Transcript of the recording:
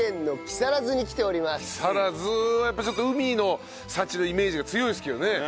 木更津はやっぱちょっと海の幸のイメージが強いですけどね。